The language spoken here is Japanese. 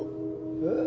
えっ。